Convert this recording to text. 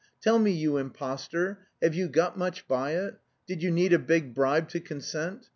Tell me, you impostor, have you got much by it? Did you need a big bribe to consent?